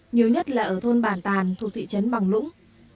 nhiều nhất là ở thôn bản tàn thuộc thị trấn bằng lũng